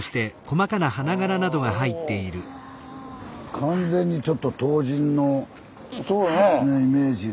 完全にちょっと唐人のイメージで。